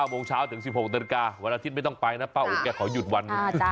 โมงเช้าถึง๑๖นาฬิกาวันอาทิตย์ไม่ต้องไปนะป้าอุ๋งแกขอหยุดวัน